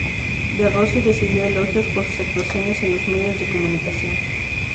De Rossi recibió elogios por sus actuaciones en los medios de comunicación.